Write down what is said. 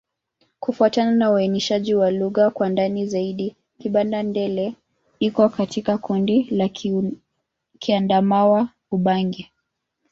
Kufuatana na uainishaji wa lugha kwa ndani zaidi, Kibanda-Ndele iko katika kundi la Kiadamawa-Ubangi.